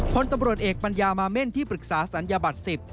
พลตำรวจเอกปัญญามาเม่นที่ปรึกษาศัลยบัตร๑๐